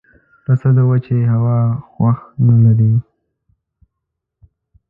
پسه د وچې هوا خوښ نه لري.